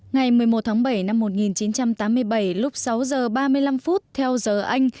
ngày một mươi một tháng bảy năm một nghìn chín trăm tám mươi bảy lúc sáu giờ ba mươi năm theo giờ anh